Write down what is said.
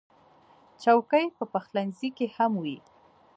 چوکۍ په پخلنځي کې هم وي.